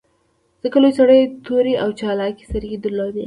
ځکه لوی سړي تورې او چالاکې سترګې درلودې